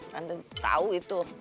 tante tahu itu